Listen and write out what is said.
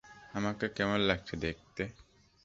আমাকে কেমন লাগছে দেখতে?